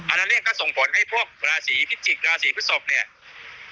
อันนั้นเนี่ยก็ส่งผลให้พวกราศีพิจิกษ์ราศีพฤศพเนี่ย